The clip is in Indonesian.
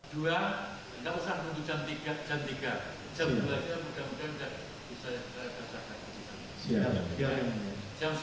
dua kita usah untuk jam tiga jam tiga